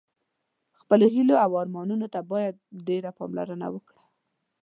خپلو هیلو او ارمانونو ته باید ډېره پاملرنه وکړه.